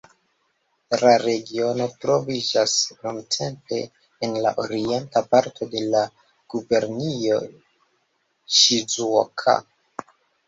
La regiono troviĝas nuntempe en la orienta parto de la gubernio Ŝizuoka.